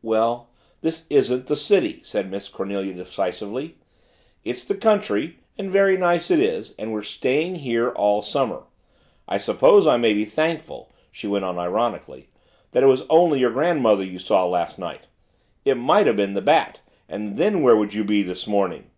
"Well, this isn't the city," said Miss Cornelia decisively. "It's the country, and very nice it is, and we're staying here all summer. I suppose I may be thankful," she went on ironically, "that it was only your grandmother you saw last night. It might have been the Bat and then where would you be this morning?"